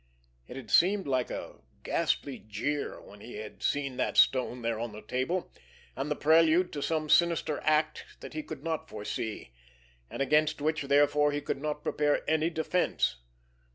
It had seemed like a ghastly jeer when he had seen that stone there on the table, and the prelude to some sinister act that he could not foresee, and against which therefore he could not prepare any defense.